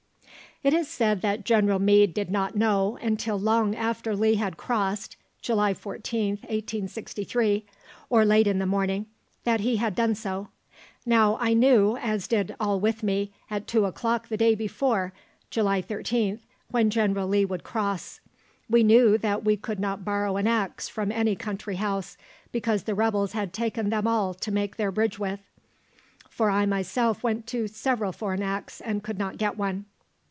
It is said that General Meade did not know, until long after Lee had crossed (July 14th, 1863), or late in the morning, that he had done so. Now I knew, as did all with me, at two o'clock the day before (July 13th), when General Lee would cross. We knew that we could not borrow an axe from any country house, because the rebels had taken them all to make their bridge with; for I myself went to several for an axe, and could not get one.